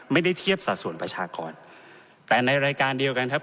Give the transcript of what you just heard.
ไม่ได้เทียบสัดส่วนประชากรแต่ในรายการเดียวกันครับ